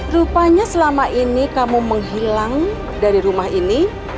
rupanya selama ini kamu menghilang dari rumah ini